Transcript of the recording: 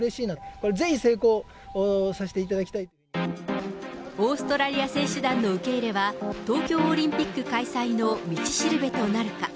これ、ぜひ成功させていただきたオーストラリア選手団の受け入れは、東京オリンピック開催の道しるべとなるか。